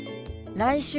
「来週」。